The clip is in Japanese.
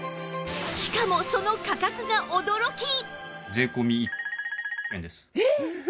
しかもその価格が驚き！